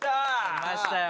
きましたよ